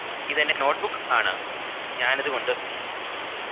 ഇത് എന്റെ നോട്ട്ബുക്ക് ആണ് ഞാനിത് കൊണ്ട്